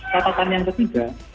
catatan yang ketiga